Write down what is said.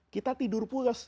kita tidur pulas